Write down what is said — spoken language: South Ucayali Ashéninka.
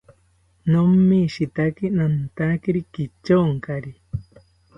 Nomishitaki nantakiri kityonkari